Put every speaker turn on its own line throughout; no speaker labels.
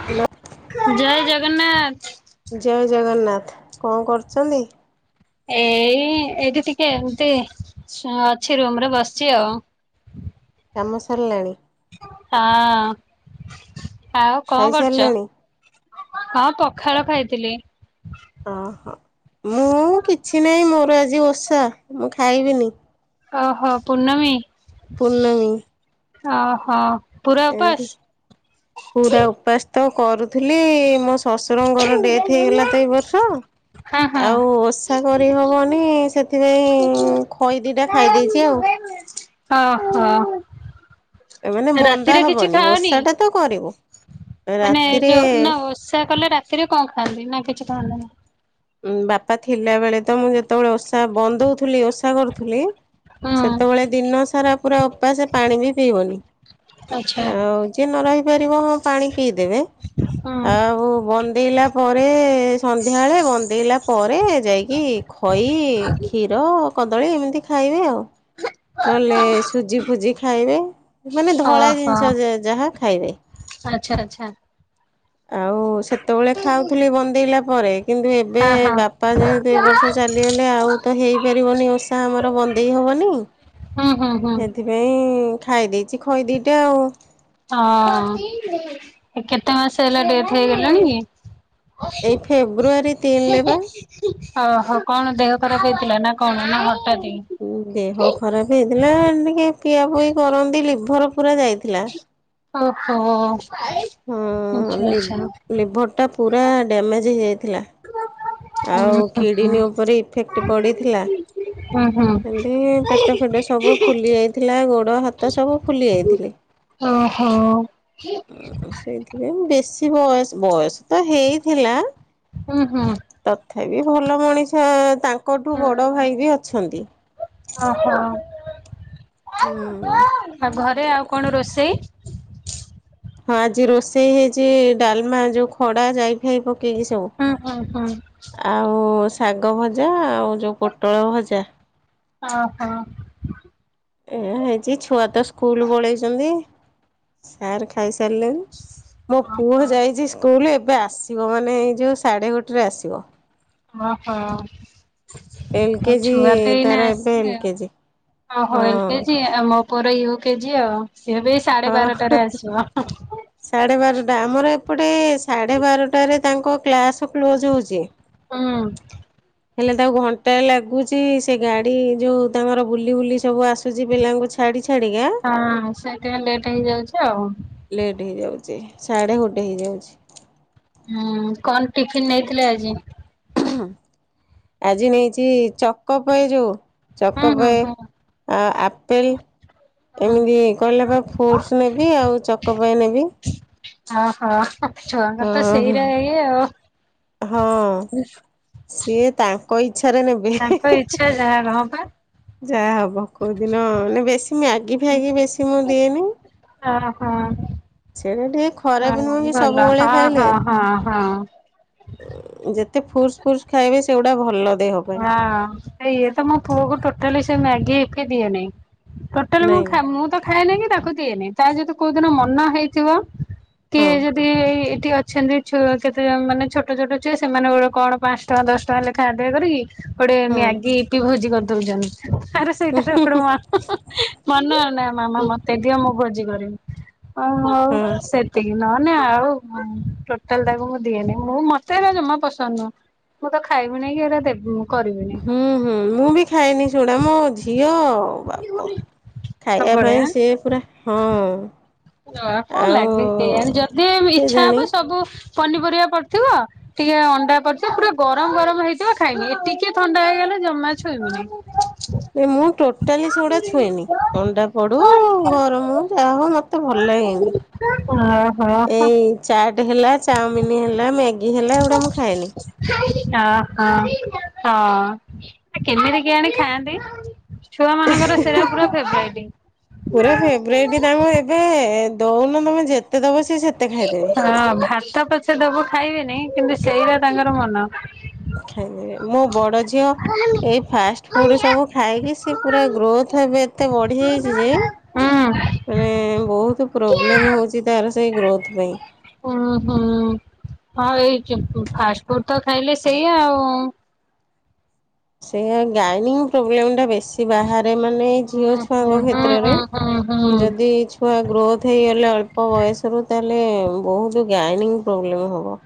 [unintelligible]
ଜୟ ଜଗନ୍ନାଥ।
ଜୟ ଜଗନ୍ନାଥ କଣ କରୁଛନ୍ତି?
ଏଇ ଏଇଠି ଟିକେ ଏମିତି ଅଛି ରୁମରେ ବସିଛି ଆଉ।
କାମ ସରିଲାଣି?
ହଁ ଆଉ କଣ କରୁଛ?
ଖାଇସାରିଲେଣି
ହଁ ପଖାଳ ଖାଇଥିଲି।
ଓହୋ ମୁଁ କିଛି ନାହିଁ ମୋର ଆଜି ଓଷା ମୁଁ ଖାଇବିନି।
ଓହୋ ପୂର୍ଣ୍ଣମୀ
ପୂର୍ଣ୍ଣମୀ।
ଓହୋ। ପୁରା ଉପାସ
ଏମତି ପୁରା ଉପାସ ତ କରୁଥିଲି ମୋ ଶଶୁରଙ୍କର ଡେଥ ହେଇଗଲା ତ ଏଇ ବର୍ଷ।
ହଁ ହଁ
ଆଉ ଓଷା କରିହବନି ସେଥିପାଇଁ ଖଇ ଦିଟା ଖାଇ ଦେଇଛି ଆଉ।
ଆହ
ମାନେ ବନ୍ଦା
ରାତିରେ କିଛି
ହବନି
ଖାଅନି
ଓଷା ଟା ତ କରିବୁ
ମାନେ
ରାତିରେ
ଯୋଉ ନୋ ଓ ସା କଲେ ରାତିରେ କଣ ଖାଆନ୍ତି ନା କିଛି ଖଆନ୍ତିନି?
ଉ ବାପା ଥିଲା ବେଳେ ତ ମୁଁ ଯେତେବେଳେ ଓଷା ବନ୍ଦ ହଉଥିଲି ଓଷା କରୁଥିଲି।
ହୁଁ
ସେତେବେଳେ ଦିନ ସାରା ପୁରା ଉପାସ ପାଣି ବି ପିଇବନି।
ଆଛା।
ଆଉ ଯିଏ ନ ରହିପାରିବ ହଁ ପାଣି ପିଇଦେବେ
ହୁଁ
ଆଉ ବ ନ୍ଦେଇଲା ପରେ ସନ୍ଧ୍ୟାବେଳେ ବନ୍ଦ ଦେଇଲା ପରେ ଯାଇକି ଖଇ କ୍ଷୀର କଦଳୀ ଏମିତି ଖାଇବେ ଆଉ। ନହେଲେ ସୁଜି ଫୁଜି ଖାଇବେ ମାନେ ଧଳା ଜିନିଷ ଯାହା ଖାଇବେ।
ଆଚଛା ଆଚଛା।
ଆଉ ସେତେବେଳେ ଖାଉଥିଲି ବନ୍ଦେଇଲା ପରେ କିନ୍ତୁ ଏ ଏବେ
ହଁ ହଁ
ବାପା ଯେହେତୁ ଏ ବର୍ଷ ଚାଲିଗଲେ ଆଉ ତ ହେଇପାରିବନି ଓଷା ଆମର ବନ୍ଦେଇ ହବନି।
ହୁଁ ହୁଁ ହୁଁ।
ଏଇ ଖାଇ ଦେଇଛି ଖଇଦିଇଟା ଆଉ
ହଁ କେତେ ମାସ ହେଲା ଡେଥ ହେଇଗଲାଣି କି?
ଏଇ ଫେବୃଆରୀ ତିନଲେ ବା।
ଓହୋ କଣ ଦେହ ଖରାପ ହେଇଥିଲା ନା କଣ ନା ହଠାତ୍?
ହୁଁ ଦେହ ଖରାପ ହେଇଥିଲା ଟିକେ ପିଆ ପୁଇ କରନ୍ତି ଲିଭର ପୁରା ଯାଇଥିଲା।
ଓହୋ।
ହଁ
ଆଚ୍ଛା ଆଚ୍ଛା।
ଲିଭର୍ଟା ପୁରା ଡ୍ୟାମେଜ୍ ହେଇଯାଇଥିଲା।
[inaudible]
ଆଉ
ହୁଁ
କିଡିନୀ
ହୁଁ
ଉପରେ ଇଫେକ୍ଟ ପଡିଥିଲା
ହୁଁ
ଏନ୍ତି ପେଟ ଫେଟ ସ ସବୁ ଫୁଲି ଯାଇଥିଲା ଗୋଡ଼ ହାତ ସବୁ ଫୁଲି ଯାଇଥିଲେ।
ଓ ହୋ।
ଏବଂ ବେଶୀ ବୟସ ବୟସ ତ ହେଇଥିଲା।
ହୁଁ ହୁଁ।
ତଥାପି ଭଲ ମଣିଷ ତାଙ୍କଠୁ ବଡ଼ ଭାଇ ବି ଅଛନ୍ତି।
ଅ ହ
ହୁଁ
ଆଉ ଘରେ ଆଉ କଣ ରୋଷେଇ?
ହଁ ଆଜି ରୋଷେଇ ହେଇଚି ଡାଲମା ଯୋଉ ଖଡା, ଯାଇ, ଫାଇ, ପକେଇକି ସବୁ।
ହୁଁ ହୁଁ ହୁଁ।
ଆଉ ଶାଗ ଭଜା ଆଉ ଯୋଉ ପୋଟଳ ଭଜା।
ଓହୋ।
ଏଇଆ ହେଇଚି ଛୁଆ ତ ସ୍କୁଲୁ ପଳେଇଚନ୍ତି ସାରେ ଖାଇସାରିଲେଣି। ମୋ ପୁଅ
ଓହୋ
ଯାଇଚି ସ୍କୁଲ ଏବେ ଆସିବ ମାନେ ଏଇ ଯୋଉ ସାଢେ ଗୋଟେରେ ଆସିବ।
ଓ ହୋ।
ଏଲ
ଆଉ
କେଜି
ଛୁଆତ ଏଇନା
ତାର ଏବେ ଏଲ
ଆସିଲେ ଆଉ।
କେଜି।
ଓ ହୋ ଏଲ
ହଁ
କେଜି। ଆଉ ମୋ ପୁଅର ୟୁ କେଜି ଆଉ ସିଏ ବି ସାଢେ ବାରଟାରେ ଆସିବ ହଁ।
ସାଢ଼େ ବାରଟା ଆମର ଏପଟେ ସାଢ଼େ ବାରଟାରେ ତାଙ୍କ କ୍ଲାସ୍ କ୍ଲୋଜ୍ ହୋଉଚି।
ହୁଁ।
ହେଲେ ତାକୁ ଘଣ୍ଟାଏ ଲାଗୁଚି ସେ ଗାଡି ଯୋଉ ତାଙ୍କର ବୁଲି ବୁଲି ସବୁ ଆସୁଚି ପିଲାଙ୍କୁ ଛା ଛାଡି ଛାଡ଼ିକା।
ହଁ ସେଇଠେଁ ଲେଟ ହେଇଯାଉଚି ଆଉ।
ଲେଟ୍ ହେଇଯାଉଚି ସାଢେ ଗୋଟେ ହେଇଯାଉଛି।
ହୁଁ କଣ ଟିଫିିନ ନେଇଥିଲେ ଆଜି?
ଆଜି ନେଇଚି ଚକୋପାଏ ଯୋଉ
ହୁଁ ହୁଁ
ଚକୋପାଏ।
ହୁଁ
ଆଉ ଆପେଲ୍
ହୁଁ।
ଏମିତି କଇଲା ବା ଫୁ ଫୁଡ୍ସ ନେବି ଆଉ ଚକୋପାଏ ନେବି।
ଅ ହ ହଃ ଛୁଆଙ୍କ ର ତ
ହଁ
ସେଇରା ଇଏ ଆଉ।
ହଁ ସିଏ ତାଙ୍କ ଇଚ୍ଛାରେ ନେବେ।
ତାଙ୍କ ଇଛା ଯାହା ହ ପା
ଯାହା ହବ କୋଉଦିନ ବେଶୀ ମୁଁ ମାଗି ଫୀଗି ବେଶି ମୁଁ ଦିଏନି।
ଆ ହା।
ସେଇଟା ଟିକେ ଖରାପ ନୁହେଁ କି ସବୁବେଳେ
ହଁ
ଖାଇଲେ।
ହଁ ହଁ ହଁ।
ଉଁ ଯେତେ ଫୁଟ୍ସ ଫୁଟ୍ସ ଖାଇବେ ସେଗୁଡା ଭଲ ଦେହ ପାଇଁ
ହଁ ଇଏ ତ ମୋ ପୁଅକୁ ଟୋଟାଲି ସେ ମ୍ୟାଗି ଇପି ଦିଏ ନାଇଁ। ଟୋଟାଲି ମୁଁ
ନାଇଁ
ଖା ମୁଁ ତ ଖାଏନି କି ତାକୁ ଦିଏନି। ତାର ଯଦି କୋଉ ଦିନ ମନ ହେଇଥିବ।
ହଁ।
କିଏ ଯଦି ଏଇଠି ଅଛନ୍ତି ଛୁଆ କେତେ ଜଣ ମାନେ ଛୋଟ ଛୋଟ ଛୁଆ ସେମାନେ ଗୋଟେ କଣ ପାଂଶ ଟଙ୍କା ଦଶ ଟଙ୍କା ଲେଖା ଆଦାୟ କରିକି ଗୋଟେ
ହଁ
ମ୍ୟାଗି ଇପି ଭୋଜି କରି ଦଉଛନ୍ତି ଆରେ ସେଇଟା କୋଉଠି ମ। ମନ ଏ ନା ମାମା ମତେ ଦିଅ ମୁଁ ଭୋଜି କରିବି ମୁଁ ହଉ।
ହଁ
ଏତିକି ନହେଲେ ଆଉ ଟୋଟାଲ ତାକୁ ମୁଁ ଦିଏନି ମୁଁ ମତେ ଜମା ପସନ୍ଦ ନୁହଁ। ମୁଁ ତ ଖାଇବି ନେଇ କି ହେରା ଦେବିନି।
ହୁଁ ହୁଁ ମୁଁ ବି ଖାଏନି ସେଡା ମୋ ଝିଅ ଆଉ ବାପ୍ ଖାଇବା
ସବୁବେଳେ
ପାଇଁ ସିଏ ପୁରା ହଁ।
ହ କଣ
ଆଉ
ଲାଗେ କେଇଜାଣି ଯଦି ଇଚ୍ଛା
କେଜାଣି
ହବ ସବୁ ପନିପରିବା ପଡି଼ଥିବ ଟିକେ୍ ଅଣ୍ଡା କରିଛ ପୁରା ଗରମ ଗରମ ହେଇଥିବ ଖାଇବି ଟିକେ୍ ଥଣ୍ଡା ହେଇଗଲା ଜମା ଛୁଇଁ ବିନି।
ନାଇଁ ମୁଁ ଟୋଟାଲି ସେଗୁଡା ଛୁଏଁନି ଅଣ୍ଡା ପଢୁ ଗରମ ହଉ ଯାହା ହଉ ମତେ। ମତେ ଭଲ ଲାଗେ ନି
ଓହୋ ଓହୋ।
ଏଇ। ଚାଟ୍ ହେଲା ଚାଓମିନ୍ ହେଲା ମ୍ୟାଗି ହେଲା ଏଗୁଡ଼ା ମୁଁ ଖାଏନି।
ଅହ ହଁ। କେମିତି କେଜାଣି ଖାଆନ୍ତି? ଛୁଆମାନଙ୍କର ସେରା ପୁରା ଫେବ୍ରାଇଟି।
ଫେବ୍ରାଇଟ ତାଙ୍କୁ ଏବେ ଦଉନ ତମେ ଯେତେ ଦବ ସିଏ ସେ
ହଁ ଭାତ ପଛେ ଦବ ଖାଇବେନି କିନ୍ତୁ ସେଇଟା ତାଙ୍କର ମନ।
ମୋ ବଡ଼ ଝିଅ ଏଇ ଫାଷ୍ଟ ଫୁଡ ସବୁ ଖାଇକି ସେ ପୁରା ଗ୍ରୋଥ ଏବେ ଏତେ ବଢିଯାଇଚି ଯେ
ହୁଁ।
ମାନେ ବହୁତ ପ୍ରୋବ୍ଲେମ ହଉଚି। ତାର ସେଇ ଗ୍ରୋଥ୍ ପାଇଁ।
ହୁଁ-ହୁଁ-ହଁ ଏଇ ଫାଷ୍ଟ ଫୁଡ୍ ତ ଖାଇଲେ ସେଇଆ ଆଉ
ସେଇଆ ଗାଇନିଂ ପ୍ରୋବ୍ଲେମ୍ ଟା ବେଶୀ ବାହାରେ ମାନେ ଝିଅ
ହୁଁ ହୁଁ
ଛୁଆଙ୍କ
ହୁଁ
କ୍ଷେତ୍ରରେ
ହୁଁ ହୁଁ ହୁଁ
ଯଦି ଛୁ ଛୁଆ ଗ୍ରୋଥ୍ ହେଇଗଲେ ଅଳ୍ପ ବୟସରୁ ତାହେଲେ ବହୁତ ଗାଇନିଙ୍ଗ ପ୍ରୋବ୍ଲେମ୍ ହବ।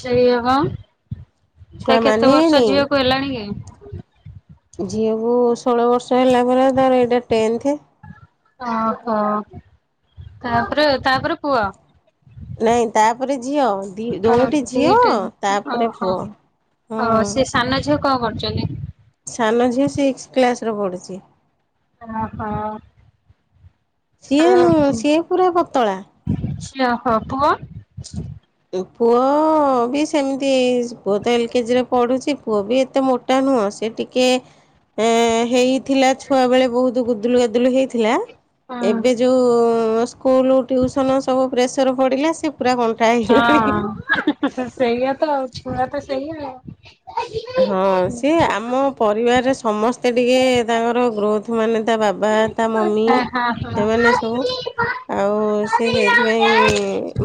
ସେୟାପା
ଛୁଆ
କେତେ ବର୍ଷ
ମାନିବେନି
ଝିଅକୁ ହେଲାଣି କି?
ଝିଅକୁ ଷୋହଳ ବର୍ଷ ହେଲା ପରେ ଧର ଏଇଟା ଟେନ୍ଥ।
ଓହୋ ତାପରେ ତାପରେ ପୁଅ?
ନାଇଁ ତାପରେ ଝିଅ ଦି
ଅ
ଦୋଓଟି ଝିଅ
ଦିଟା
ତାପରେ
ଓହୋ
ପୁଅ। ହଁ
ଓ ସେଇ ସାନ ଝିଅ କଣ କରୁଚନ୍ତି?
ସାନ ଝିଅ ସିକ୍ସ କ୍ଲାସରେ ପଢୁଚି।
ଅ ହଁ।
ସିଏ ନୁହଁ, ସିଏ ପୁରା ପତଳା।
[inaudible]
ପୁଅ ବି ସେମ୍ତି, ପୁଅ ତ ଏଲ୍ କେଜି ରେ ପଢୁଚି ପୁଅ ବି ଏତେ ମୋ ଟା ନୁହଁ, ସେ ଟିକେ ଏ ହେଇ ଥିଲା ଛୁଆ ବେଳେ ବହୁତୁ ଗୁଦୁଲୁ ଗାଦୁଲୁ ହେଇଥିଲା
ହୁଁ
ଏବେ ଯୋଉ ସ୍କୁଲୁ ଟିୟୁସନ ସବୁ ପ୍ରେସର୍ ପଡିଲା, ସେ ପୁରା କ
ହଁ-ହି-ହି-ହି, ସେଇଆ ତ ଛୁଆ ତ ସେଇଆ ଆଉ।
ହଁ ସିଏ ଆମ ପରିବାରରେ ସମସ୍ତେ ଟିକେ ତାଙ୍କର ଗ୍ରୋଥ୍ ମାନେ ତା ବାବା ତା ମମି
ହଁ
ଏମାନେ ସବୁ
ହଁ ହଁ।
ଆଉ ସେ ସେଇଥିପାଇଁ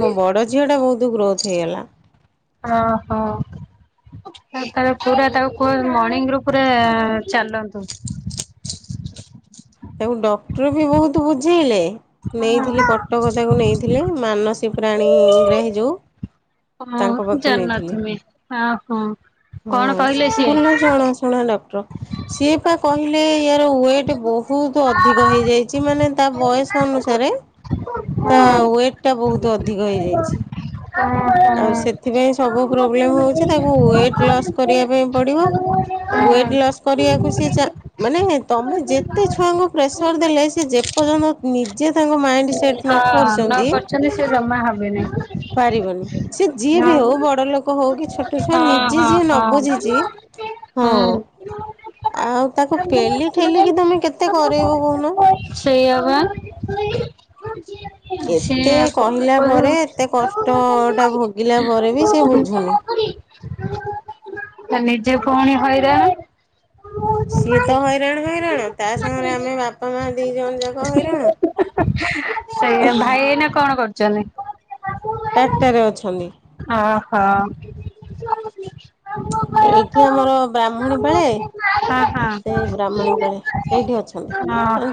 ମୋ ବଡ଼ ଝିଅ ଟା ବହୁତୁ ଗ୍ରୋଥ୍ ହେଇଗଲା।
[unintelligible] ହ। ତା ପୁରା ତାକୁୁ କୁହ ମର୍ଣ୍ଣିଙ୍ଗ ରୁ ପୁରା ଚାଲନ୍ତୁ।
ତାକୁ ଡକ୍ଟର ବି ବହୁତୁ ବୁଝେଇଲେ, ନେଇଥିଲି କଟକ ତାକୁ ନେଇ ଥିଲି, ମାନସୀ ପ୍ରାଣୀଗ୍ରାହି ଯୋଉ ତାଙ୍କ
ହଁ
ପାଖକୁ
ଜାଣିନ
ନେଇଥିଲି,
ତୁମେ ଓହୋ
ହଁ
କଣ କହିଲେ
ସେ
ସିଏ?
ଭଲ ଜଣା ଶୁଣା ଡକ୍ଟର, ସିଏ ପା କହିଲେ ୟାର ୱେଟ୍ ବହୁ ତୁ ଅଧିକ ହେଇଯାଇଚି, ମାନେ ତା
ହଁ
ବୟସ ଅନୁସାରେ ତା ୱେଟ୍ ଟା ବହୁତ୍ ଅଧିକ ହେଇଯାଇଛି।
[inaudible]
ଆଉ ସେଥିପାଇଁ ସବୁ ପ୍ରୋବ୍ଲେମ୍ ହେଉଚି, ତାକୁ ୱେଟ୍ ଲସ୍ କରିବା ପାଇଁ ପଡ଼ିବ। ୱେଟ୍ ଲସ୍ କରିବାକୁ ସେ ଚା ମାନେ ତମେ ଯେତେ ଛୁଆଙ୍କୁ ପ୍ରେସର୍ ଦେଲେ ସେ ଯେପର୍ଯ୍ୟନ୍ତ ନିଜେ ତାଙ୍କ ମାଇଣ୍ଡ ସେଟ୍ ନ
ହଁ
କରିଛନ୍ତି
ନକରିଚନ୍ତି ସେ ଜମା ହବେନି।
ପାରିବନି ସେ ଯିଏ ବି
ହଁ
ହଉ ବଡ ଲୋକ ହଉ କି ଛୋଟ ଛୁଆ
ହଁ
ନିଜେ
ହଁ
ଯିଏ ନ
ହଁ।
ବୁଝିଚି ହଁ ଆଉ ତାକୁ ପେଲି ଠେଲିକି ତମେ କେତେ କରେଇବ କହୁନ।
ସେଇଆ ବା।
ଏତେ
ସେୟା କ
କହିଲା ପରେ ଏତେ କଷ୍ଟଟା ଭୋଗିଲା ପରେ ବି ସେ ବୁଝୁନି।
[unintelligible] ଆ ନିଜେ ପୁଣି ହଇରାଣ।
ସିଏ ତ ହଇରାଣ-ହଇରାଣ ତା ସାଙ୍ଗରେ ଆମେ ବାପା ମା ଦି ଜଣ ଯାକ ହଇରାଣ।
ସେୟା ଭାଇ ଏଇନା କଣ କରୁଚନ୍ତି? [inaudible]
ଟାଟା ରେ ଅଛନ୍ତି।
ଅହୋ।
ଏଇଠି ଆମର ବ୍ରାହ୍ମଣୀ ପାଳେ? ସେଇ ବ୍ରାହ୍ମଣୀ ପାଳେ ସେଇଠି ଅଛନ୍ତି,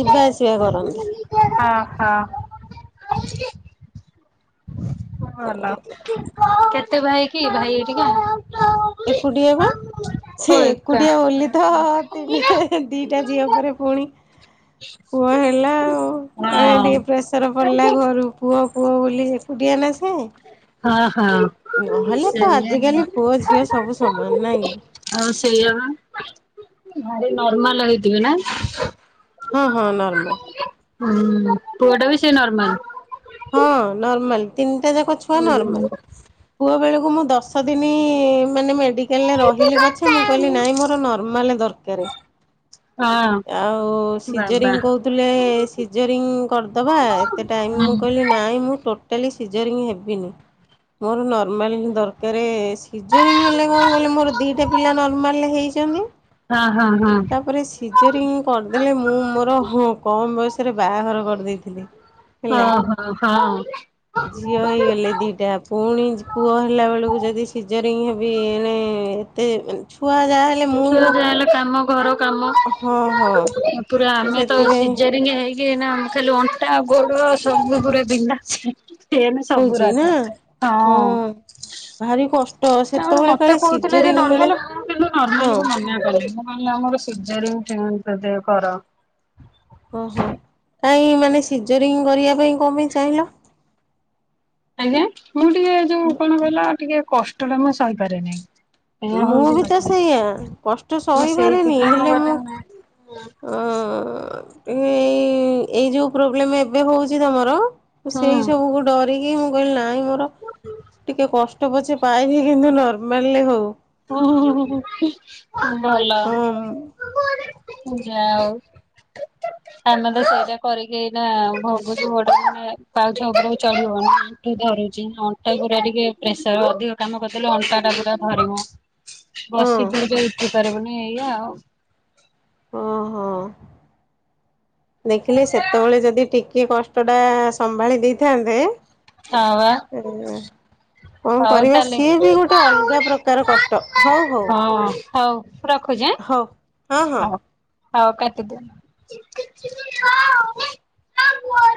ଯିବା ଆସିବା କରନ୍ତି।
ଓହୋ। ଭଲ କେତେ ଭାଇ କି, ଭାଇ [unintelligible]
ଏକୁଟିଆ ବା। ସେ
ଓ ଏକା।
ଏକୁଟିଆ ବୋଲି ତ, ତିନ ଦିଟା ଝିଅ ପରେ ପୁଣି ପୁଅ ହେଲା ଆଉ,
ହଁ
ଏଣିକି ଟିକେ ପ୍ରେସର ପଡିଲା ଘରୁ। ପୁଅ-ପୁଅ ବୋଲି ଏକୁଟିଆ ନା ସେ। ହଁ ନହେଲେ ତ
ସେଇଆ
ଆଜିକାଲି ପୁଅ ଝିଅ ସବୁ ସମାନ ନାଇଁକି।
ଆଉ ସେଇଆ ବା, ଭାରି ନର୍ମାଲ ହେଇଥିବେ ନା?
ହଁ ହଁ ନର୍ମାଲ।
ହୁଁ ପୁଅ ଟା ବି ସେଇ ନର୍ମାଲ।
ହଁ ନର୍ମାଲ ତିନିଟା ଯାକ ଛୁଆ ନର୍ମାଲ। ପୁଅ ବେଳକୁ ମୁଁ ଦଶଦିନ ମାନେ ମେଡି କାଲରେ ରହିଲି ପଛେ ମୁଁ କହିଲି ନାଇଁ ମୋର ନର୍ମାଲ ଦରକାର।
ହଁ
ଆଉ
ବାବା।
ସିଜରିଙ୍ଗ କହୁ ଥିଲେ ସିଜରିଙ୍ଗ କରିଦେବା ଏତେ ଟାଇମ୍
ହୁଁ
ମୁଁ କହିଲି ନାହିଁ ମୁଁ ଟୋ ଟାଲି ସିଜରିଙ୍ଗ ହେବିନି। ମୋର ନର୍ମାଲ ହିଁ ଦରକାର ସିଜନିଂ ହେଲେ କଣ କହିଲ ମୋର ଦିଟା ପିଲା ନର୍ମାଲ ହେଇଛି। କେମିତି
ହଁ ହଁ ହଁ।
ତାପରେ ସିଜରିଂ କରିଦେଲେ ମୁଁ ମୋର କମ ବୟସରେ ବାହାଘର କରିଦେଇଥିଲି। ହେଲା
ଓହୋ ହଁ।
ଝିଅ ହେଇଗଲେ ଦିଟା। ପୁଣି ପୁଅ ହେଲାବେଳକୁ ଯଦି ସିଜରିଙ୍ଗ ହେବି ଏଣେ ଏତେ ଛୁଆ ଯାହା ହେଲେ
ଛୁଆ
ମୁଁ
ଯାହା ହେଲେ କାମ ଘର କାମ
ହଁ
ପୁରା
ହଁ
ଆମେ ତ
ସେଥିପାଇଁ
ସିଜରିଙ୍ଗ ହେଇ କି ନା ଖାଲି ଅଣ୍ଟା ଗୋଡ ସବୁୁ ପୁରା ବିନ୍ଧା ଛି ସେମ
ହଉଛି ନା
ସବୁୁରାକ ହଁ।
ଭାରି କଷ୍ଟ
ତାପରେ
ସେତେବେଳେ
ମତେ
କାଳେ
କହୁଥିଲେ ଯେ
ସିଜରିଙ୍ଗ ବେଳେ
ନର୍ମାଲ ମୁଁ କିନ୍ତୁ
ହଁ
ନର୍ମାଲ କୁ ମନା କଲି। ମୁଁ କହିଲି ନାଁ ମୋର ସିଯରିଂ [unintelligible] କର।
ଓହୋ କାହିଁ ମାନେ ସିଜରିଙ୍ଗ କରିବା ପାଇଁ କଣ ପାଇଁ ଚାହିଁଲ?
ଆଜ୍ଞା। ମୁଁ ଟିକେ ଯୋଉ କଣ କହିଲ ଟିକେ କଷ୍ଟଟା ମୁଁ ସହିପାରେନି। ଏଇଆ
ମୁଁ
ହଉଛି
ବି ତ
କଥା।
ସେଇଆ କଷ୍ଟ
ମୁଁ ସେଇଥିପାଇଁ ମୁଁ କହିଲି ନାଇଁ।
ହ ଏଇ ଏଇ ଯୋଉ ପ୍ରୋବ୍ଲେମ ଏବେ ହଉଛି ତମର ସେଇ ସବୁ ଗୋଟେ ଡରିକି ମୁଁ କହିଲି ନାହିଁ ମୋର ଟିକେ କଷ୍ଟ ପଛେ ପାଇବି କିନ୍ତୁ ନର୍ମାଲରେ ହୋଉ।
ହୁ ହୁ ଭଲ।
ହଁ
ଯାହା ହୋଉ।
ହ
ଆମେ ତ ସେଇଟା କରିକି ଏନା ଭୋଗୁଛୁ ଗୋଟେ ମାନେ ପାଉଛ ଉପରକୁ ଚଢିହେଉନି। ଣ୍ଠୁ ଧରୁଛି ଅଣ୍ଟା ପୁରା ଟିକେ ପ୍ରେସର ଅଧିକ କାମ କରିଦେଲେ ଅଣ୍ଟା ଟା ପୁରା ଧରିିବ।
ହଁ
ବସି ପଡିକ ଉଠି ପାରିବୁନି ଏଇଆ ଆଉ।
ଓହୋ। ଦେଖିଲି ସେତେବେଳେ ଯଦି ଟିକିଏ କଷ୍ଟଟା ସମ୍ଭାଳି ଦେଇଥାନ୍ତେ
ହଁ ବା।
ଏ କଣ
ହଉ
କରିବା
ତାହେଲେ
ସିଏ ବି ଗୋଟେ ଅଲଗା ପ୍ରକାର କଷ୍ଟ ହଉ ହଉ
ହଁ। ହଉ ରଖୁଛି
ହଉ ହଁ
ଆଁ
ହଁ
ହଉ ହଉ କାଟିଦିଅନ୍ତୁ।